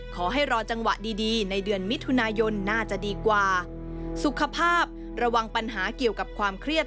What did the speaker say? ขอให้รอจังหวะดีในเดือนมิถุนายนน่าจะดีกว่า